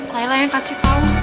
laila yang kasih tau